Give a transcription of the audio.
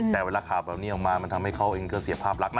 แต่เวลาข่าวแบบนี้ออกมามันทำให้เขาเองก็เสียภาพรักนะ